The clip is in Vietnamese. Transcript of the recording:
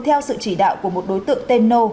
theo sự chỉ đạo của một đối tượng tên nô